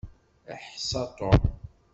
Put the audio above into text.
Iḥsa Tom.